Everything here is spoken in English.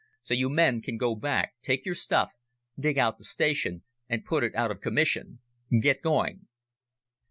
So you men can go back, take your stuff, dig out the station and put it out of commission. Get going."